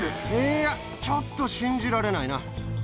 いや、ちょっと信じられないな。